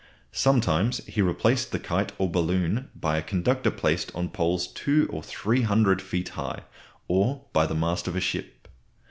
Sometimes he replaced the kite or balloon by a conductor placed on poles two or three hundred feet high, or by the mast of a ship.